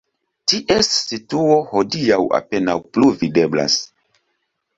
Ties situo hodiaŭ apenaŭ plu videblas.